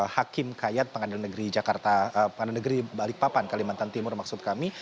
hakim kayat pengadilan negeri balikpapan kalimantan timur maksud kami